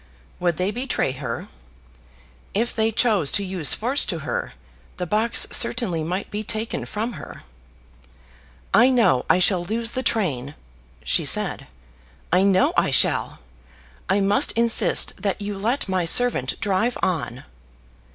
Would they betray her? If they chose to use force to her, the box certainly might be taken from her. "I know I shall lose the train," she said. "I know I shall. I must insist that you let my servant drive on."